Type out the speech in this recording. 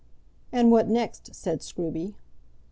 "And what next?" said Scruby.